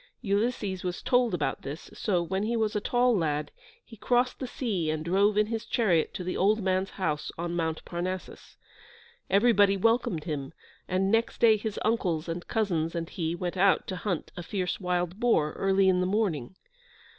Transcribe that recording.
Ulysses was told about this, so, when he was a tall lad, he crossed the sea and drove in his chariot to the old man's house on Mount Parnassus. Everybody welcomed him, and next day his uncles and cousins and he went out to hunt a fierce wild boar, early in the morning.